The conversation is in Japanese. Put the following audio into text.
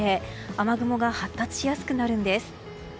雨雲が発達しやすくなるんです。